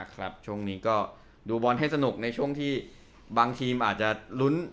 ช่วงนี้ก็ดูบอลให้สนุกในช่วงที่บางทีมอาจจะลุ้น